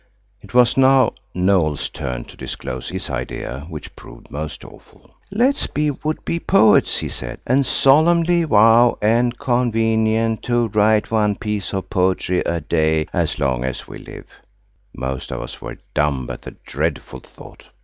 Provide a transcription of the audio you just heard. It was now Noël's turn to disclose his idea, which proved most awful. "Let's be Would be Poets," he said, "and solemnly vow and convenient to write one piece of poetry a day as long we live." Most of us were dumb at the dreadful thought.